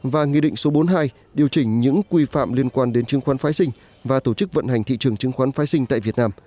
và nghị định số bốn mươi hai điều chỉnh những quy phạm liên quan đến chứng khoán phái sinh và tổ chức vận hành thị trường chứng khoán phái sinh tại việt nam